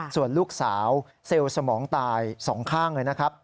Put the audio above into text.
ส่วนลูกสาวเซลล์สมองตายสองข้างเลยนะครับ